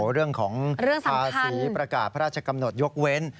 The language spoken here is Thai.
เรื่องของภาษีประกาศพระราชกำหนดยกเว้น